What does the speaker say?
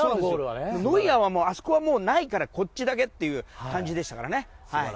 ノイアーはあそこはもうないからこっちだけっていう感じでしたから。